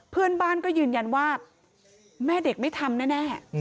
เพื่อนบ้านก็ยืนยันว่าแม่เด็กไม่ทำแน่